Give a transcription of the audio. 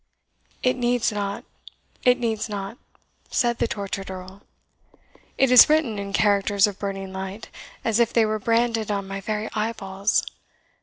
"It needs not it needs not," said the tortured Earl; "it is written in characters of burning light, as if they were branded on my very eyeballs!